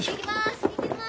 いきます！